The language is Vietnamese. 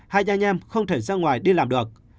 hai anh em không thể ra ngoài đi làm được